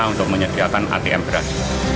untuk menyediakan atm beras